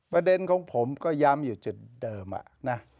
ประเด็นของผมก็ย้ำอยู่จุดเดิมนะ